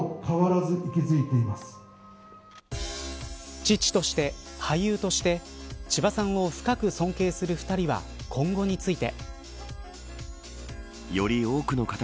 父として、俳優として千葉さんを深く尊敬する２人は今後について。